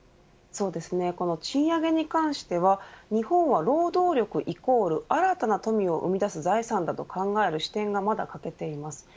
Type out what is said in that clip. そうですね、賃上げに関して日本は労働力＝新たな富を生み出す財産だと考える視点がまだ欠けています。